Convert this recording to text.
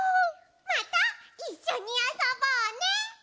またいっしょにあそぼうね！